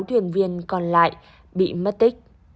sáu thuyền viên còn lại bị mất tích